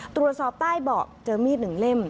ตรวจสอบใต้เบาะเจอมีดหนึ่งเล่ม